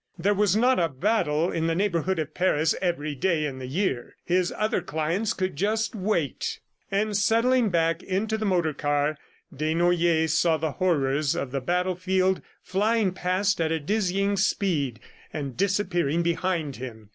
There was not a battle in the neighborhood of Paris every day in the year! His other clients could just wait. And settling back into the motor car, Desnoyers saw the horrors of the battle field flying past at a dizzying speed and disappearing behind him.